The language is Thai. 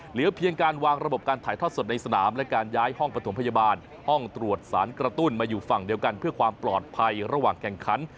เหลือเพียงการวางระบบการถ่ายทอดสดในสนามและการย้ายห้องประถมพยาบาลห้องตรวจสารกระตุ้นมาอยู่ฝั่งเดียวกันเพื่อความปลอดภัยระหว่างแข่งขัน